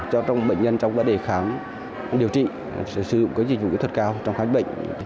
cho bệnh nhân trong vấn đề khám điều trị sử dụng dịch vụ kỹ thuật cao trong khám bệnh